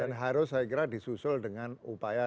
dan harus saya kira disusul dengan upaya